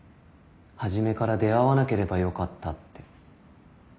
初めから出会わなければよかったって。